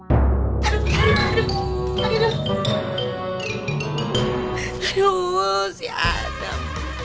aduh si adam